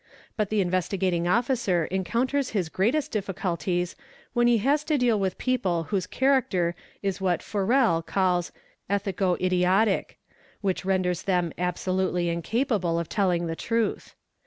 But the Investigating Officer encounters his greatest diffi. PATHOLOGICAL LYING 109 culties when he has to deal with people whose character is what Forel "calls '' Ethico Idiotic", which renders them absolutely in capable of speaking the truth.